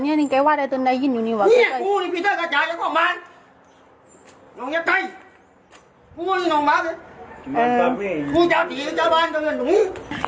อื้อคุณชาวผีหรือชาวบ้านถ้าเงียบหนุ่ม